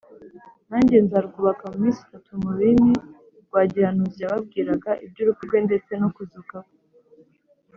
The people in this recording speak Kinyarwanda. nanjye nzarwubaka mu minsi itatu » mu rurimi rwa gihanuzi, yababwiraga iby’urupfu rwe ndetse no kuzuka kwe